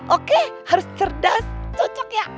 oke harus cerdas cocok ya